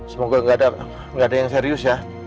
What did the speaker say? semoga nggak ada yang serius ya